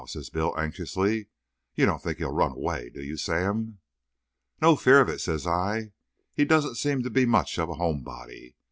says Bill, anxiously. "You don't think he'll run away, do you, Sam?" "No fear of it," says I. "He don't seem to be much of a home body.